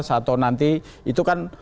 atau nanti itu kan